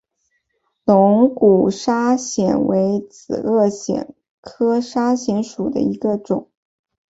龙骨砂藓为紫萼藓科砂藓属下的一个种。